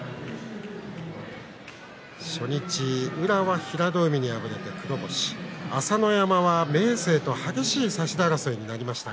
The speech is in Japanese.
初日、宇良は平戸海に敗れて黒星朝乃山は明生と激しい差し手争いになって負けました。